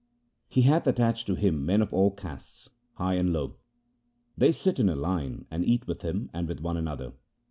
He hath attached to him men of all castes, high and low. They sit in a line and eat with him and with one another.